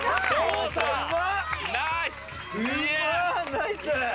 ナイス！